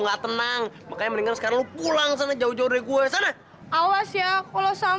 hisnang makanya mereka sekarang pulang sama jauh jauh